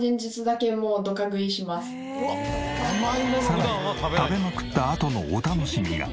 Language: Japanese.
さらに食べまくったあとのお楽しみが。